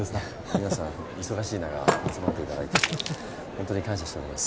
皆さん忙しい中集まっていただいてほんとに感謝しております。